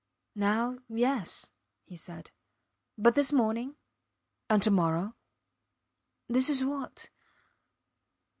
Now yes, he said, but this morning? And to morrow? ... This is what